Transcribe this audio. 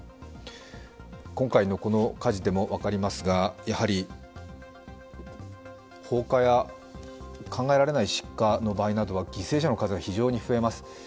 今回の火事でも分かりますが、放火や考えられない出火の場合などは犠牲者の数が非常に増えます。